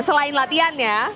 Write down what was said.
selain latihan ya